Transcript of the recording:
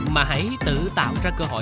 mà hãy tự tạo ra cơ hội